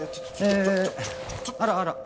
えーあらあら。